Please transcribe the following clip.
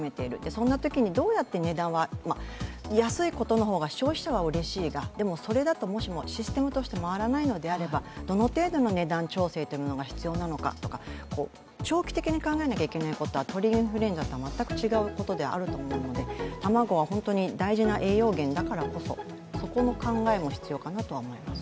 そんなときにどうやって値段は、安いことの方が消費者はうれしいが、それだともしもシステムとして回らないのであればどの程度の値段調整が必要なのか長期的に考えなきゃいけないことは、鳥インフルエンザとは全く違うことであると思うので卵は本当に大事な栄養源だからこそそこの考えも必要かなと思います。